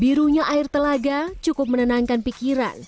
birunya air telaga cukup menenangkan pikiran